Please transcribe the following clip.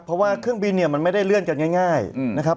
เพราะว่าเครื่องบินเนี่ยมันไม่ได้เลื่อนกันง่ายนะครับ